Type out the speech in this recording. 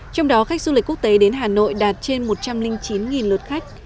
trong đó khách du lịch quốc tế đến hà nội đạt trên một trăm linh chín lượt khách